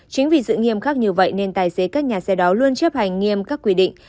chính vì sự nghiêm khắc như vậy nên tài xế các nhà xe đó luôn chấp hành nghiêm các quy định